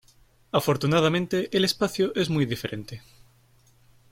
Afortunadamente el espacio es muy diferente.